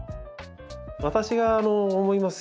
私が思います